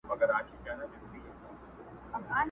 څشي پرېږدم څشي واخلم څه مهم دي څشي نه دي.!